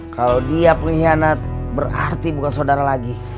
kalau dia pengkhianat berarti bukan saudara lagi